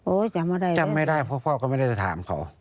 จำอะไรจำไม่ได้เพราะพ่อก็ไม่ได้จะถามเขา